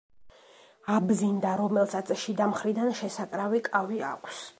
აბზინდა, რომელსაც შიდა მხრიდან შესაკრავი კავი აქვს.